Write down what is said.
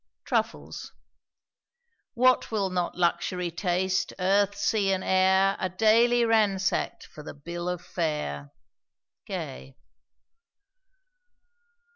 TRUFFLES. What will not Luxury taste? Earth, sea and air Are daily ransacked for the bill of fare. GAY.